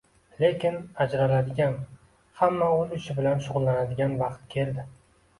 Lekin ajraladigan, hamma oʻz ishi bilan shugʻullanadigan vaqt keldi